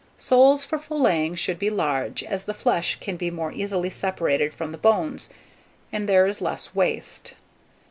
Soles for filleting should be large, as the flesh can be more easily separated from the bones, and there is less waste.